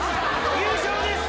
優勝です！